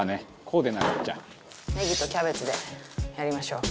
ネギとキャベツでやりましょう。